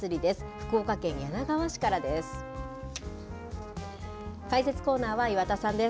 福岡県柳川市からです。